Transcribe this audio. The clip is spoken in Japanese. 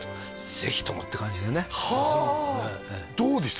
ぜひとも！って感じでねはあどうでした？